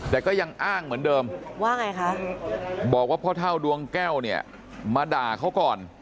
แต่ก็ยังอ้างเหมือนเดิมบอกว่าพ่อเท้าดวงแก้ว่าด่าเขาก่อน